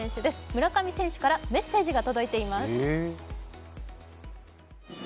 村上選手からメッセージが届いています。